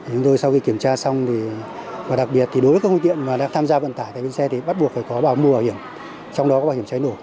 chúng tôi sau khi kiểm tra xong và đặc biệt thì đối với các phương tiện mà đang tham gia vận tải tại bến xe thì bắt buộc phải có bảo mua bảo hiểm trong đó có bảo hiểm cháy nổ